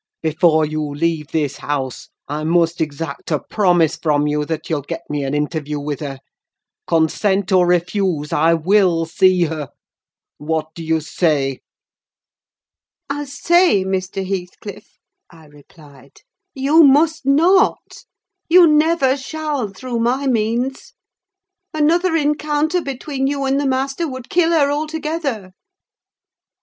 Before you leave this house, I must exact a promise from you that you'll get me an interview with her: consent, or refuse, I will see her! What do you say?" "I say, Mr. Heathcliff," I replied, "you must not: you never shall, through my means. Another encounter between you and the master would kill her altogether."